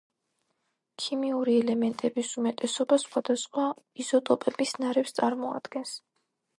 ქიმიური ელემენტების უმეტესობა სხვადასხვა იზოტოპების ნარევს წარმოადგენს.